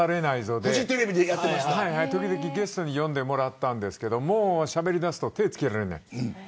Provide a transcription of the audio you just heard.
で時々ゲストに呼んでもらったんですけどしゃべりだすと手がつけられない。